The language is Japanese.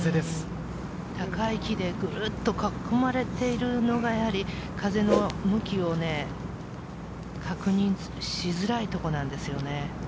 高い木でグッと囲まれているのが風の向きをね、確認しづらいところなんですよ。